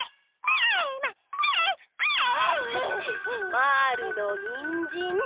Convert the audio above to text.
まぁるのにんじん。